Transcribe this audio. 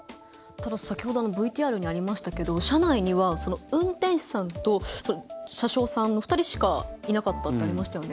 先ほどＶＴＲにありましたけど車内には運転士さんと車掌さんの２人しかいなかったってありましたよね。